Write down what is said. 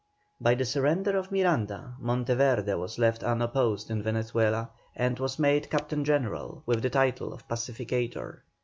By the surrender of Miranda Monteverde was left unopposed in Venezuela, and was made Captain General, with the title of "Pacificator."